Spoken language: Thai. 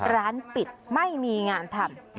ร้านปิดไม่มีงานทำ